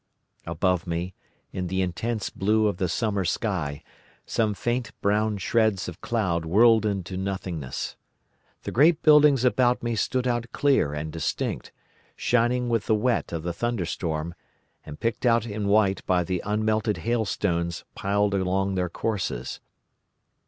Above me, in the intense blue of the summer sky, some faint brown shreds of cloud whirled into nothingness. The great buildings about me stood out clear and distinct, shining with the wet of the thunderstorm, and picked out in white by the unmelted hailstones piled along their courses.